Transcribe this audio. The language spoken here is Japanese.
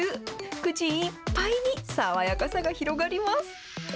口いっぱいに爽やかさが広がります。